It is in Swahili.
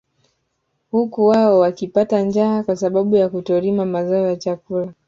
Huku wao wakipata njaa kwa sababu ya kutolima mazao ya chakula